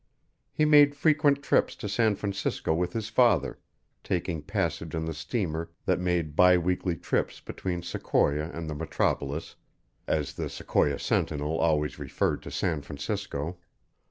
He made frequent trips to San Francisco with his father, taking passage on the steamer that made bi weekly trips between Sequoia and the metropolis as The Sequoia Sentinel always referred to San Francisco.